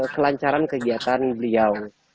kelancaran kegiatan beliau